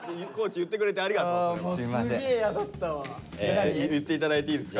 言って頂いていいですか？